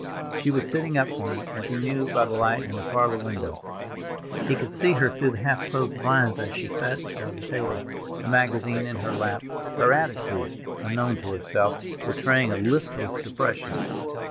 She was sitting up for him, as he knew by the light in the parlor window. He could see her through the half closed blinds as she sat by the table, a magazine in her lap, her attitude, unknown to herself, betraying a listless depression.